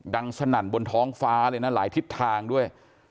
สนั่นบนท้องฟ้าเลยนะหลายทิศทางด้วย